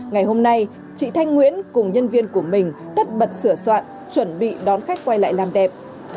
ngày hôm nay chị thanh nguyễn cùng nhân viên của mình tất bật sửa soạn chuẩn bị đón khách quay lại làm đẹp